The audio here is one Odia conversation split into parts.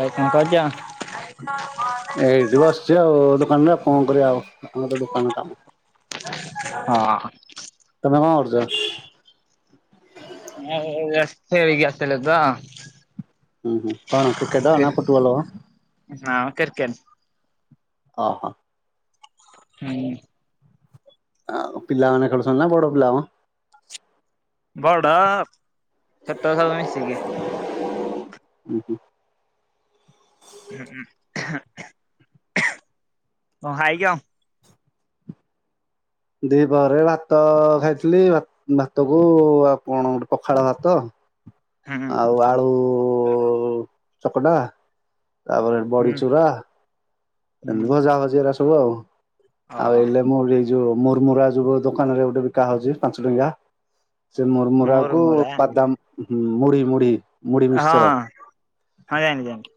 ଭାଇ କଣ କରୁଚ? ଏଇଠି ବସ୍ଚି ଆଉ ଦୋକାନ ରେ ଆଉ କଣ କରିଆ ଆଉ ଆମର ତ ଦୋକାନ କାମ। ହଁ। ତମେ କଣ କରୁଚ? [unintelligible] ଖେଳିକି ଆସିଲି ତ ହୁଁ-ହୁଁ କଣ କ୍ରିକେଟ ନା ଫୁଟବଲ ମ? ନାଁ ମ କ୍ରିକେଟ୍। ଓହୋ। ହୁଁ। ଆଉ ପିଲାମାନେ ଖେଳୁଚନ୍ତି ନା ବଡ ପିଲା ମ? ବଡ ଛୋଟ ସବୁ ମିଶିକି। ଉଁ-ହୁଁ। ହୁଁ। କଣ ଖାଇଚ? ଦିପହରେ ଭାତ ଖାଇଥିଲି, ଭା ଭାତ କୁ ଆଉ କଣ ଗୋଟେ ପଖାଳ ଭାତ ହୁଁ ଆଉ ଆଳୁ ଚକଟା ତାପରେ ହୁଁ ବଡ଼ି ଚୁରା ହୁଁ ଏମ୍ତି ଭଜା ଭଜି ଏରା ସବୁ ଆଉ, ଅ ଆଉ ଏଇଲେ ମୁଁ [unintelligible] ଯୋଉ ମୁର୍ ମୁରା ଯୋଉ ଦୋକାନରେ ଗୋଟେ ବିକା ହଉଚି ପାଞ୍ଚ ଟଙ୍କିଆ ସେ ମୁର୍ ମୋର ମୁରାକୁ ମୋର ବାଦାମ୍ ମୁଢି-ମୁଢି ହଁ-ହଁ ଜାଣିଲି-ଜଣିଲି।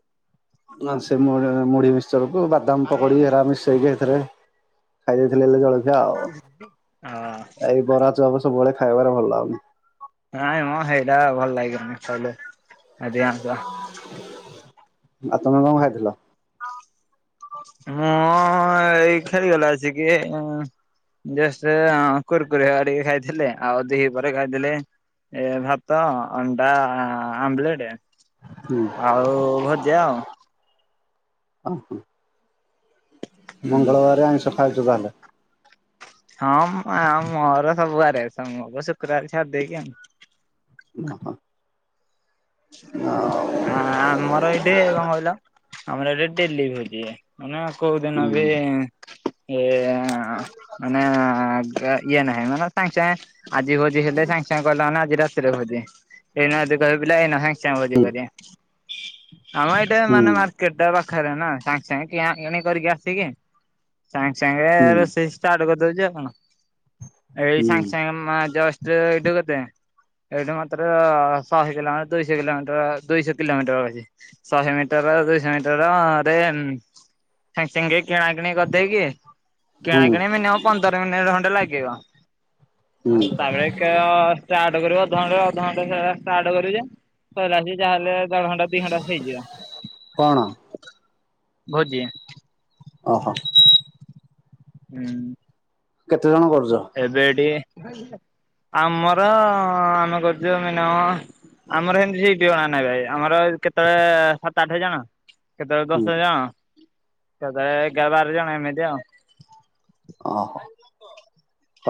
ନା ସେ ମୁଢ ମୁଢି ମିକ୍ଚରକୁ ବାଦାମ ପକୋଡି ଏରା ମିଶେଇକି ଏଥିରେ ଖାଇ ଦେଇଥିଲେ ହେଲେ ଜଳଖିଆ ଆଉ ହଁ ଏଇ ବରା ଚପ୍ ସବୁବେଳେ ଖାଇବାରେ ଭଲ ଲାଗୁନି। ନାଇଁ ମ ସେଇଟା ଭଲ ଲାଗିବନି ଖାଇଲେ। ଆଉ ତମେ କଣ ଖାଇଥିଲ? ମୁଁ ଏଇ ଖଳିଗଲା ଆସିକି ଉଁ। ଜଷ୍ଟ୍ ଆ କୁରକୁରେ ଆଡି ଖାଇଥିଲି ଆଉ ଦ୍ୱିପ୍ରହରରେ ଖାଇଥିଲି ଏ ଭାତ ଅଣ୍ଡା ଆ ଆମ୍ଲେଟେ। ହୁଁ ଆଉ ଭଜା ଆଉ। [unintelligible] ହୁଁ ମଙ୍ଗଳବାରେ ଆଇଁସ ଖାଉଚୁ ବାହେଲେ। ହଁ ମ ଆ ମୋର ସବୁବାରେ ତୁମ ଅବଶ ଶୁକ୍ରବାର ଛାଡି ଦେଇକିଆଇ। [unintelligible] ଆ ଆମର ଏଠି କଣ କହିଲ ଆମର ଏଇଠି ଡେଲି ଭୋଜି ହୁଏ। ମାନେ କୋଉଦିନ ବି ହୁଁ ଏ ମାନେ ଇଏ ନାହିଁ ମାନ [inaudible] ସାଏଁ ଚାଏଁ ଆଜି ଭୋଜି ହେଲେ ସାଙ୍ଗ ସାଙ୍ଗ ଗଲା ଆନେ ଆଜି ରାତିରେ ଭୋଜି ଏଇନେ ଯଦି କହିବେ ପିଲା ଏଇନା ସାଙ୍ଗେ ଛାଏଁ ଭୋଜି କରିବା ଆମ ଏଇଟା ହୁଁ ମାନେ ମାର୍ଚ କେତେ ପାଖରେ ନା ସାଙ୍ଗ ସାଙ୍ଗେ କିଣା କିଣି କରିକି ଆସିକି ସାଙ୍ଗ ସାଙ୍ଗେ ହୁଁ ରୋଷେଇ ଚାର୍ଟ କରିଦେଉଛି ଆଉ କଣ ଏଇ ସାଙ୍ଗ ହୁଁ ସାଙ୍ଗେ ମ ମାଜଷ୍ଟ ଇଠୁ ଗୋଟେ ଏଇଠୁ ମାତ୍ର ଶହେ କିଲୋମ ଦୁଇଶହ କିଲୋମିଟର ଦୁଇଶହ କିଲୋମିଟର ରହିଛି। ଶହେ ମିଟର ଦୁଇଶହ ମିଟର ରେ ସାଙ୍ଗ ସାଙ୍ଗେ କିଣା କିିଣି କରିଦେଇକି କିଣା ହୁଁ କିିଣି ମିନିମମ ପନ୍ଦର ମିନିଟ ଖଣ୍ଡେ ଲାଗିବ। ହୁଁ ଆଉ ତା ବଳେ ଷ୍ଟାର୍ଟ କରିବଣ୍ ଅଧଣ୍ଟା [inaudible] ତା ଘରୁ ଯେ କହିଲା ଆସି ଯାହାହେଲେ ଦେଢଘଣ୍ଟା ଦି ଘଣ୍ଟା କଣ? ହେଇଯିବ। ଭୋଜି ଓହୋ ହୁଁ କେତେ ଜଣ କରୁଚ? ଏବେ ଟିକେ ଆମର ଆମେ କରୁଚୁ ମିନୟମ ଆମର ହେ [inaudible] ମିତି ସେଇଠ ଜଣା ନାହିଁ ଭାଇ ଆମର କେତେଳେ ସାତ ଆଠ ଜଣ କେତେଏଳେ ହୁଁ ଦଶ ଜଣ କେତେଳେ ଏଗାର ବାର ଜଣ ଏମିତି ଆଉ। ଓହୋ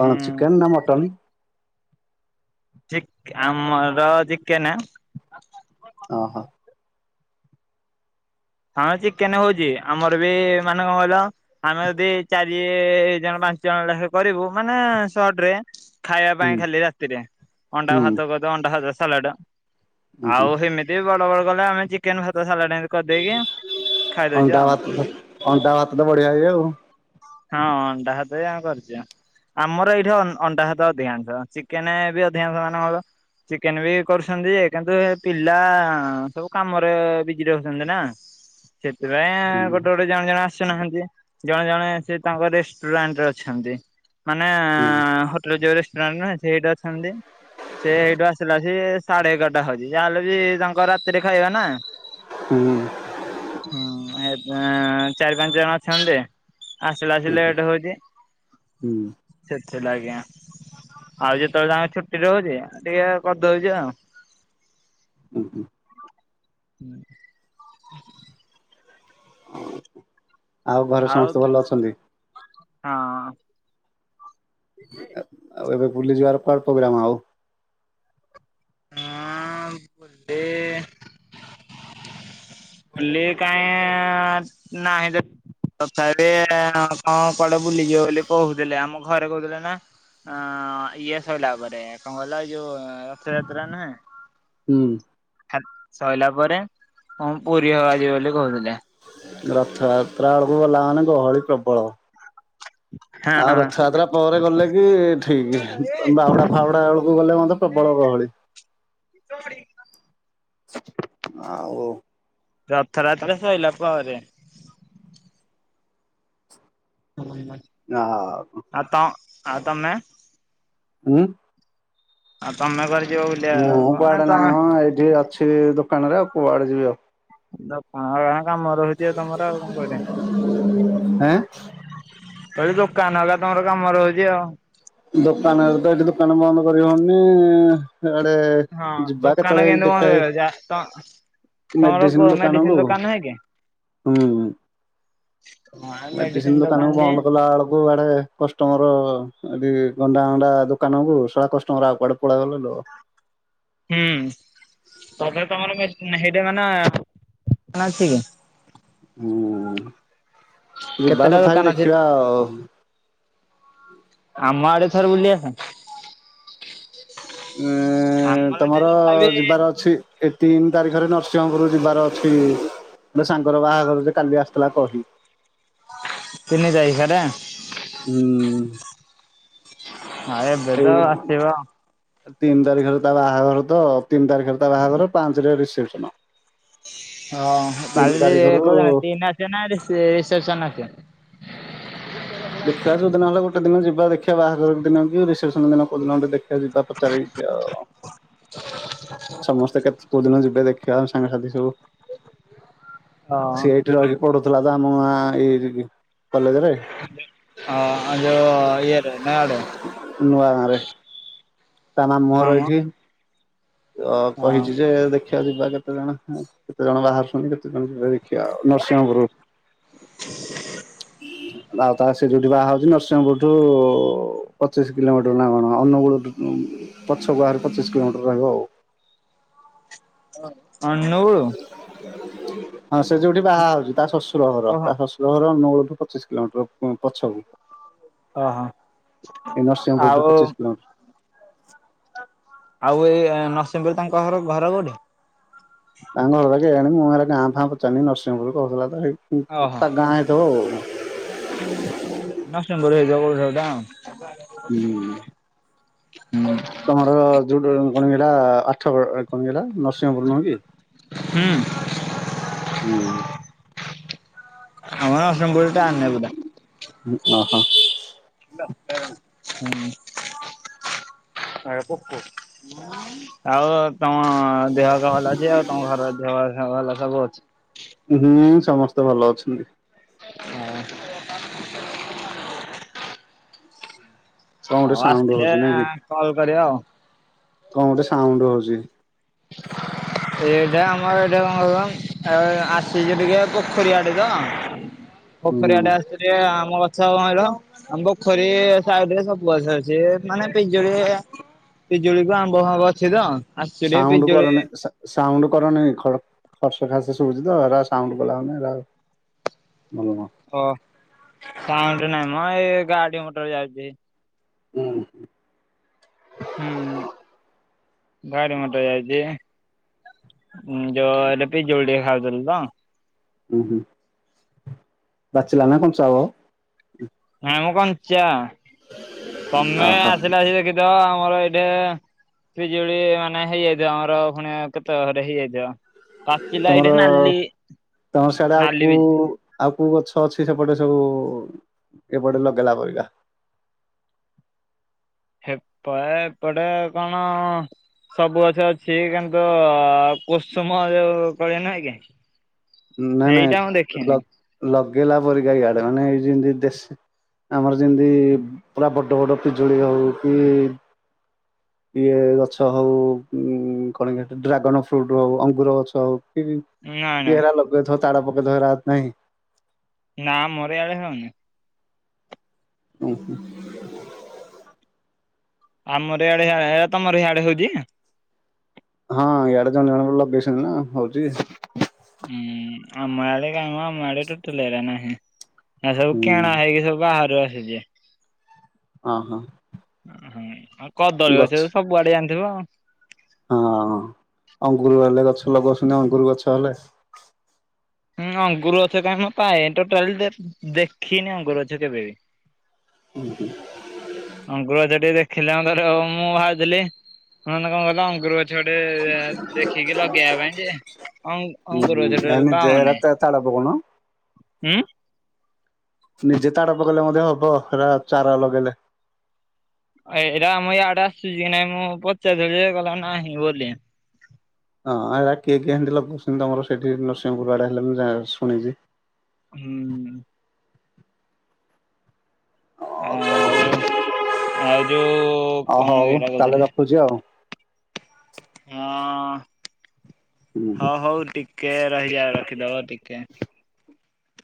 କଣ ଚିକେନ୍ ନା ମଟନ୍? ଚିକ୍ ଆମର ଚିକେ ନ। ଅ ହ ହଁ ଚିକେନେ ହଉଚି ଆମର ବି ମାନେ ଙ୍କ କହିଲ? ଆମେ ଅଦି ଚାରି ଜଣ ପାଞ୍ଚ ଜଣ ଲେଖେ କରିବୁ ମାନେ ସଟ ରେ ଖାଇବା ପାଇଁ ହୁଁ ଖାଲି ରାତିରେ ଅଣ୍ଡା ହୁଁ ଭାତ କରଦଉ ଅଣ୍ଡା ଭାତ ସାଲାଡ ହୁଁ ହୁଁ ଆଉ ହେମିତି ହେଇ ବଡ ବଡ କଲେ ଆମେ ଚିକେନ ଭାତ ସାଲାଡ ଏମତି କରଦେଇକି ଅଣ୍ଡା ଭାତ ତ ଅଣ୍ଡା ଭାତ ତ ବଢିଆ ହୁଏ ଆଉ। ହଁ ଅଣ୍ଡାହାଦ ଆ [inaudible] କରିଛିଉ ଆମର ଏଇଠି ଅନ୍ ଅଣ୍ଡା ଭାତ ଅଧିକାଂଶ ଚିକେନେ ବି ଅଧିକାଂଶ ମାନଙ୍କର ଚିକେନେ ବି କରୁଛନ୍ତି ଯେ କିନ୍ତୁ ଏ ପିଲା ସବୁ କାମରେ ବିଜି ରହୁ ନା ହୁଁ ସେଥିପାଇଁ ଗୋଟେ ଗୋଟେ [inaudible] ଜଣେ ଜଣେ ଆସୁନାହାନ୍ତି ଜଣେ ଜଣେ ସେ ତାଙ୍କ ରେଷ୍ଟୁରାଣ୍ଟ ରେ ଅଛନ୍ତି। ମାନେ ହୁଁ ହୋଟେଲେ ଯୋଉ ରେଷ୍ଟୁରାଣ୍ଟ ନୁହେଁ ସେଇଠି ଅଛନ୍ତି। ସେ ଏଇଠୁ ଆସିଲା ଯେ ସାଢେ ଏଗାରଟା ହଉଜି ଯାହାହେଲେ ବି ତାଙ୍କ ରାତିରେ ଖାଇବା ନା। ହୁଁ ହୁଁ ଏବେ ଆଁ ଚାରି ପାଞ୍ଚ ଜଣ ଅଛନ୍ତି ରେ। ଆସିଲା ସି ଲେଟ୍ ହଉଚି। ହୁଁ ସେଥିଲା ଆଜ୍ଞା ଆଉ ଯେତେଳେ ତାଙ୍କ ଛୁଟି ରୋହୁଜି ଟିଏ କରିଦଉଛି ଆଉ। ହୁଁ ହୁଁ। ହୁଁ ହ [unintelligible] ଘରେ ଆଉ ସମସ୍ତେ ଭଲ ଅଛନ୍ତି? ହଁ। ଆଉ ଏବେ ବୁଲି ଯିବାର କୁଆ ପ୍ରୋଗ୍ରାମ ଆଉ? ହୁଁ ବେ [inaudible] କଲଲେ କହି ନା ତ [inaudible] ତଥାବି [inaudible] କଣ କୁଆଡେ ବୁଲିଯିବ ବୋଲି କହୁଥିଲେ ଆମ ଘରେ କହୁଥିଲେ ନା ଆଁ ଇଏ ସଇଲା ପରେ କଣ କଲ ଯୋ ଥ ଯାତ୍ରା ନା ହୁଁ ଖା ସଇଲା ପରେ। ହଁ ପୁରୀ ହବା ଯିବ ବଲି କହୁଥିଲେ। ରଥଯାତ୍ରା ଆଳକୁ ଗଲା ମାନେ ଗହଳି ପ୍ରବଳ। ଆଉ ହଁ ରଥଯାତ୍ରା ପରେ ଗଲେ କି ଠିକ ବାହୁଡା ଫାଉଡା ବେଳକୁ ଗଲେ ମଧ୍ୟ ପ୍ରବଳ ଗହଳି। ହିଁ ଆଉ ରଥରାତ୍ର ସଇଲା ପରେ। ହଁ ନହ ଆ ତ ଆଉ ତମେ? ହୁଁ ଆଉ ତମେ କୁଆଡେ ଯିବ ବୋଲି ମୁଁ କୁଆଡେ ନାଇଁ ମ ଏଇଠି ଅଛି ଦୋକାନରେ ଆଉ କୁଆଡେ ଯିବି ଆଉ। ତ କଣ କ କାମ ରହୁଛି ଆଉ ତମର ଆଉ କଣ କରିଆ। ଏଁ କିଲି ଦୋକାନ ଆକା ତମର କାମ ରହୁଛି ଆଉ। ଦୋକାନ ରେ ତ ଏଇଠି ଦୋକାନ ବନ୍ଦ କରି ହଉନି। ଇଆଡେ ହଁ ଯିବା ଦୋକାନ କେତେବେଳେ ଏଇ କେନ୍ତି ଦେଖିବା ବନ୍ଦ ଏଇ କରିବ ଯା ତ ତମର ମେଡିସିନ କୋ ଦୋକାନକୁ ମେଡିସିନ ଦୋକାନ ହେ କି? ହୁଁ। ମେଡିସିନ ଦୋକାନ କୁ ବନ୍ଦ କଲା ବେଳକୁ ଆଡେ କଷ୍ଟମର ଏଠି ଗଣ୍ଡା ଗଣ୍ଡା ଦୋକାନକୁ ସଳା କଷ୍ଟମର ଆଉ କଆଡେ ପଳ ଗଲେ ଲୋ ହୁଁ ତମେ ତମର ହେଇଟା ମାନେ ଅଛି କି ହୁଁ ଯିବା କେତେଟା ଦୋକାନ ତଥାପି ଅଛି? ଦେଖିବା ଆଉ। ଆମ ଆଡେ ଥରେ ବୁଲି ଆସ। ଉଁ ଆମର ଏଠି ତମର ତଥାପି ଯିବାର ଅଛି ଏ ତିନି ତାରିଖରେ ନରସିଂହପୁର ଯିବାର ଅଛି। ସାଙ୍ଗର ବାହାଘର ଯେ କାଲି ଆସିଥିଲା କହି। ତିନି ତାରିଖରେ? ହୁଁ। ଆଁ ଏବେ ଏଇ ତ ଆଉ ଆସିବ ଆଉ। ତିନି ତାରିଖରେ ତା ବାହାଘର ତ ତିନି ତାରିଖରେ ତା ବାହାଘର ପାଞ୍ଚରେ ରିସେପସନ। ହଁ କ ତିନି କହୁ ତାରିଖରୁ ତିନ ଆସିବେ ନା ରିସେପସନ ଆସିବେ [unintelligible] ଦେଖିବା ଯୋଉଦିନ ହେଲେ ଗୋଟେ ଦିନ ଯିବା ଦେଖିବା ବାହାଘର ଦିନ କି ରସପ୍ସନ ଦିନ କୋଉ ଦିନ ଗୋଟେ ଦେଖିବା ଯିବା ପଚାରି ଆଉ। ହ [unintelligible] ସମସ୍ତେ କେତେ କେୋଉ ଦିନ ଯିବେ ଦେଖିବାମ ସାଙ୍ଗସାଥି ସବୁ। ସିଏ ହଁ। ଏଇଠି ରହିକି ପଢୁଥିଲା ତ ଆମ ଏଇ କଲେଜରେ। ହଁ ଆ ୟରେ ନଡୁ [unintelligible] ନୂଆ ଗାଁ ରେ। ତା ମାମୁଁ ହଁ ଘର ମ ଏଇଠି ଅ ହଁ କହିଛି ଯେ ଦେଖ ଦେଖିବା ଯିବା କେତେ ଜଣ କେତେ ଜଣ ବାହାରୁ ଶୁନ କେତେ ଜଣ ଯିବେ ଦେଖିବା ନରସିଂହପୁର। ହଁ [unintelligible] ଆଉ ତା ସେ ଯୋଉଠି ବାହା ହଉଛି ନରସିଂହପୁରଠୁ ପଚିଶ କିଲୋମିଟର ଲାଗଣ ଅନୁଗୁଳୁ ପଛ ଗୁହରେ ପଚିଶ କିଲୋମିଟର ରହିବ ଆଉ। ଅନୁଗୁଳୁ। ହଁ ସେ ଯୋଉଠି ବାହା ହଉଛି ତା ଶ୍ୱଶୁର ଘର ଓହୋ ତା ଶ୍ୱଶୁର ଘର। ସହର ନୂଳଠୁ ପଚିଶ କିଲୋମିଟର ପଛକୁ। ଓହୋ ଏ ନରସିଂପୁର ଟୁ ଆଉ ପଚିଶ କିଲୋମିଟର। ଆଉ ଏଇ ନରସିଂହପୁର ତାଙ୍କ ଘର ଘର କୋଉଠି? ତାଙ୍କ ଘର ପାକେ ଆଣଣି ମୁଁ ହେଲେ ଗାଁ ଫାଁ ପଚାରିଲି ନରସିଂହପୁର କହୁଥିଲା ତ ଓହୋ ତା ଗାଁ ଦ [unintelligible] ନଷ୍ଟନ କରି ହେଇଯ ଟା ହୁଁ ହୁଁ। [unintelligible] ତମର ଯୋଉ କଣ ହେଲା ଆଠଗଡ଼ କଣ ହେଲା ନରସିଂହପୁର ନୁହେଁ କି। ହୁଁ। ହୁଁ!। ଆମର ଅଷ୍ଟମ ପୁର ଟା ଆେବଟା [unintelligible] ଓ ହୋ ହଁ-ହଁ। ହୁଁ। ପୋକ ଆଉ ତମ ଦେହ ପାହା ଭଲ ଅଛି ଆଉ ତମ ଘରର ଦେହ ଭଲ ସବୁ ଅଛି। ହୁଁ! ସମସ୍ତେ ଭଲ ଅଛନ୍ତି। ହଁ! [unintelligible] କଣ ହଁ ଗୋଟେ ଉ ସାଉଣ୍ଡ ଆସିଥିଲେ ହଉଛି ଏ ନାଇଁ କି କଲ କରିବା ଆଉ। କଣ ଗୋଟେ ସାଉଣ୍ଡ ହଉଛି! ହଁ [unintelligible] ଏ ଏଟା ଆମର ଯଉ ଉ ଏଇଟା କଣ କ ଆସିଛି ଟିକେ ପୋଖରୀଆଡେ ତ ହୁଁ। ପୋଖରୀଆଡେ ଆସିଥିଲି ଆମ ଗଛ କଣ କହିଲ ଆମ ପୋଖରୀ ସାଡରେ ସବୁ ଗଛ ଅଛି ମାନେ ପିଜୋଳି ପିଜୁଳିକୁ ଆମ୍ବ ହଂ ଗଛ ଭଙ୍ଗ ଅଛି ତ ଅ ସାଉଣ୍ଡ କର ନି ସା ସାଉଣ୍ଡ କରନିଁ ଖର୍ସ ଖାସ ଶୁଭା ଶୁଛି ତ ସାଉଣ୍ଡ କଲାମାନେ ଭଲ। ଓ ସୋଉନ୍ଦ ନାଇଁ ମୋ ଏଇ ଗାଡି ମଟର ଯାଉଛି। ହୁଁ! ହଁ ହୁଁ! ଗାଡ଼ି ମୋଟର ଯାଇଛି। ଉଁ ଜଉ ବି ପିଜୁଳି ଜୋଉ ଟେ ଖାଉଥିଲ ତ ହୁଁ ହୁଁ, ପାଚିଲା ନା କନ ଚାଉଳ? ନାହିଁ ମୋ କଞ୍ଚା, ତମେ ଅହୋ ଆସିଲ ଆସିକି ଦେଖିଥିବ ଆମର ଏଇଠେ ପିଜୁଳି ହେ ମାନେ ହେଇଯାଇଥିବ ଆମର ପୁଣି କେତେ ଘରେ ହେଇଯାଇଥିବ। ପାଚିଲା ତମର ଏଇଠି ନାଲି ତମର ସିଆଡେ ଆଉ ନାଲି କୁ ବି ଆଉ କୁ ଗଛ ଅଛି ସେପଟେ ସବୁ ଏପଟେ ଲଗେଇଲା ପରିକା? ହେପଟେ ଏପଟେ କଣ ଅ ସବୁ ଗଛ ଅଛି କିନ୍ତୁ ଅ କୁସୁମ ଯୋଉ କଳି ନୁହଁ କି? ନାଇ ନାଇ ସେଇଟା ମୁଁ ଦେଖିନି। ଲଗ ଲଗେଇଲା ପରିକା ଇଆଡେ ମାନେ ଏଇ ଯେମିତି ଦେଶୀ ଆମର ଯେମତି ଇ ପୁରା ବଡ ବଡ ପିଜୁଳି ହଉ କି [inaudible] ଇଏ ଗଛ ହଉ ଉ କଣ କି ଡ୍ରାଗନ୍ ଫ୍ରୁଟ ହେଉ ଅଙ୍ଗୁର ଗଛ ହେଉ କି ନାଇଁ ନାଇଁ କିଏହେରା ଲଗେଇଥିବ ତାଟା ପକେଇଦେଇ ହେରା ନାହିଁ? ନା ଆମରଇଆଡେ ହଉନି। ଓହୋ। ଆମର ଏଇଆଡେ ଯାହା ହେରା ତମର ହେଇଆଡେ ହଉଛି? ହଁ ଇଆଡେ ଜଣେ ଜଣେ ଲଗଇଛନ୍ତି ନା ହଉଛି। ହୁଁ ଆମଆଡ଼େ କାଇଁ ମୋ ଆମ ଆଡ଼େ ତୋଟାଲି ଏଡା ନାହିଁ। ନା ସବୁ ହୁଁ କିଣା ହେଇକି ସବୁ ବାହାରୁ ଆସିଛି। ହଁ ହଁ। ହଁ ଉମଃ ଆଉ କଦଳୀ ଗଛ ତ ସବୁଆଡେ ଜାଣିଥିବ ଆଉ ହଁ ଅଙ୍ଗୁର ହେଲେ ଗଛ ଲଗାଉଛି ଅଙ୍ଗୁର ଗଛ ହେଲେ। ହୁଁ ଅଙ୍ଗୁର ଗଛ କାହିଁ ମୋ ପାଏ ନି ଟୋଟାଲି ଦେଖିନି ଅଙ୍ଗୁର ଗଛ କେବେ ବି। ହୁଁ ହୁଁ। ଅଙ୍ଗୁର ଗଛ ଟିକେ ଏ ଦେଖିଲାର ମୁଁ ଭାବଥିଲି କଣ କଲା ଅଙ୍ଗୁର ଗଛ ଏଠି ଗୋଟେ ଏ ଦେଖିକି ଲଗେଇବା ପାଇ ଯେ। ଅଂ ଉଁ ଅଙ୍ଗୁର ଗଛ ଏ ଟୋଟାଲି ନିଜେ ହେରା ପାଉନି, ତା ତାଳ ପକଉନ। ହୁଁ ନିଜେ ତାଡା ପକେଇଲେ ମଧ୍ୟ ହବ ହେରା ଚାରା ଲଗେଇଲେ। ଏଇ ଏଇଟା ଆମ ଇଆଡେ ଆସୁଛି କି ନାଇଁ ମୁଁ ପଚାରିଲି ଯେ କହିଲା ନାହିଁ ବୋଲି। ହଁ ଆ କିଏ କିଏ ଏମିତି ଲଗୁଛନ୍ତି ତମର ସେଠି ନରସିଂହପୁର ଆଡା ହେଲେ ଯାହା ମୁଁ ଶୁଣିିଛି। ହୁଁ। ଆଉ [unintelligible] ଆଉ ଯୋଉ କଣ କି ଏଟା କହୁଥିଲି? ପୂଜା ଆଉ। ହଁ ହୁଁ। ହଉ ହଉ ଟିକେ ରହିଯା ରଖିଦବ ଟିକେ।